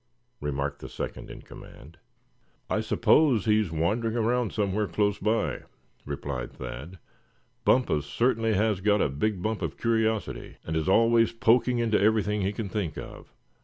remarked the second in command. "I suppose he's wandering around somewhere close by," replied Thad. "Bumpus certainly has got a big bump of curiosity, and is always poking into everything he can think of.